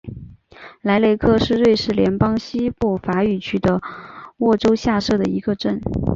莱克雷是瑞士联邦西部法语区的沃州下设的一个镇。